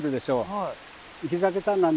はい。